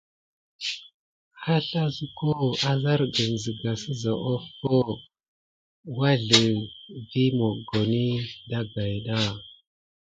Aslazuko, azargən zegas seza offo wazlə vi moggoni dagayɗa.